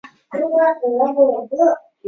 球队也再一次喊出了冲超口号。